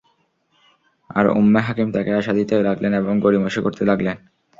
আর Umm Hakim তাকে আশা দিতে লাগলেন এবং গড়িমসি করতে লাগলেন।